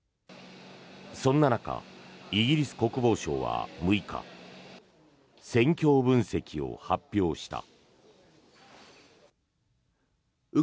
そんな中、イギリス国防省は６日戦況分析を発表した。